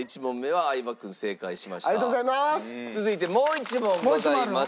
続いてもう１問ございます。